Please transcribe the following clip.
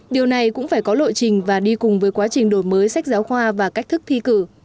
điều này cũng phải có lộ trình và đi cùng với quá trình đổi mới sách giáo khoa và cách thức thi cử